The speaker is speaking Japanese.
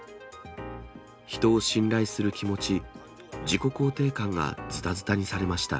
人を信頼する気持ち、自己肯定感がずたずたにされました。